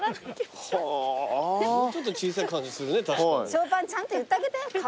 ショーパンちゃんと言ってあげて。